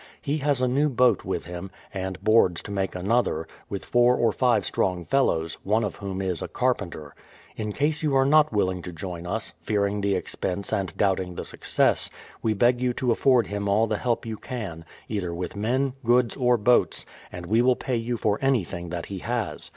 He has a new boat with him, and boards to make another, with four or five strong fellows, one of whom is a carpenter. In case you are not willing to join us, fearing the expense and doubting the success, we beg you to afford him all the help you can, either with men, goods, or boats, and we will pay you for anything that he has.